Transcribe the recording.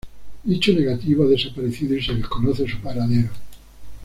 Dicho negativo ha desaparecido y se desconoce su paradero.